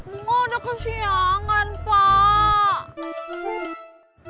oh udah kesiangan pak